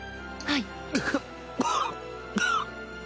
はい。